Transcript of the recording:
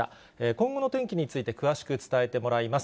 今後の天気について詳しく伝えてもらいます。